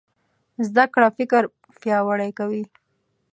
زده کړه فکر پیاوړی کوي.